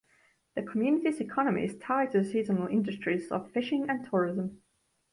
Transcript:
The community's economy is tied to the seasonal industries of fishing and tourism.